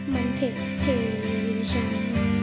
มันถึงที่ฉันเอง